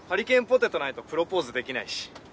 ポテトないとプロポーズできないし。